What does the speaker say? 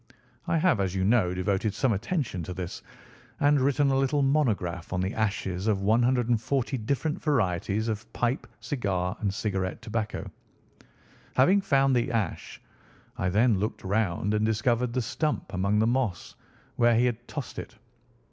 I have, as you know, devoted some attention to this, and written a little monograph on the ashes of 140 different varieties of pipe, cigar, and cigarette tobacco. Having found the ash, I then looked round and discovered the stump among the moss where he had tossed it.